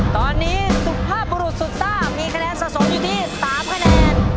ตอนนี้สุภาพบุรุษสุดซ่ามีคะแนนสะสมอยู่ที่๓คะแนน